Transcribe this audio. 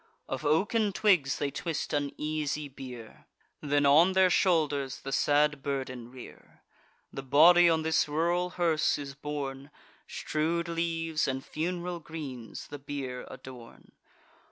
Of oaken twigs they twist an easy bier, Then on their shoulders the sad burden rear. The body on this rural hearse is borne: Strew'd leaves and funeral greens the bier adorn.